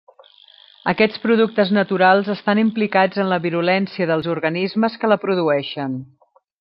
Aquests productes naturals estan implicats en la virulència dels organismes que la produeixen.